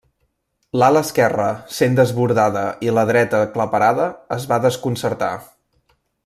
L'ala esquerra, sent desbordada i la dreta aclaparada, es va desconcertar.